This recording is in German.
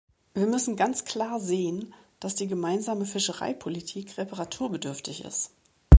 Wir müssen ganz klar sehen, dass die Gemeinsame Fischereipolitik reparaturbedürftig ist.